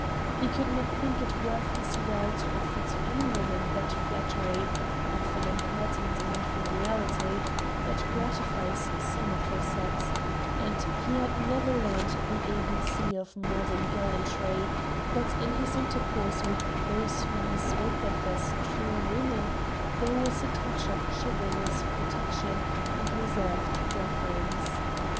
He could not think it worth his while to offer to any woman that flattery often impertinent enough in reality that gratifies some of the sex, and he had never learnt the A B C of modern gallantry; but in his intercourse with those whom he spoke of as "true women" there was a touch of chivalrous protection and reserved deference.